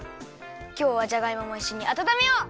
きょうはじゃがいももいっしょにあたためよう！